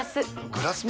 グラスも？